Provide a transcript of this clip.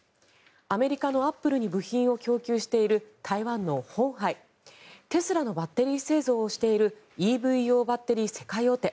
アメリカのアップルに部品を供給している台湾の鴻海テスラのバッテリー製造をしているＥＶ用バッテリー世界大手